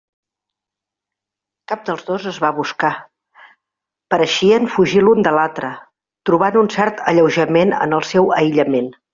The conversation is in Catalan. Cap dels dos es va buscar; pareixien fugir l'un de l'altre, trobant un cert alleujament en el seu aïllament.